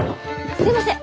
すみません。